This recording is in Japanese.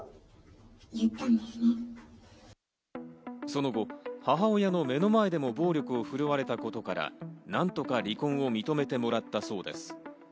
その後、母親の目の前でも暴力を振るわれたことから、何とか離婚を認めてもらったそうです。